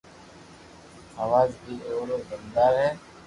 آواز بي او رو دمدار ھي